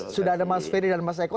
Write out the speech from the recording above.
sudah ada mas ferry dan mas eko